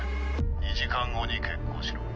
２時間後に決行しろ。